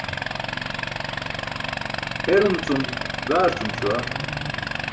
Herum cum gaarcum śuwa.